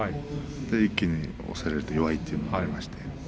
一気に押されると弱いというのがあります。